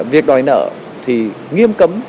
việc đòi nợ thì nghiêm cấm